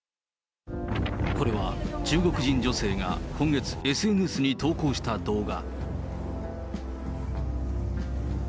これは中国人女性が今月、ＳＮＳに投稿した動画。